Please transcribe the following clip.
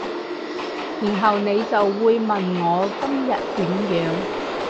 然後你就會問我今日點樣